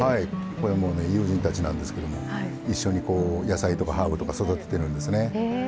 友人たちなんですけど一緒に野菜とかハーブとか育ててるんですね。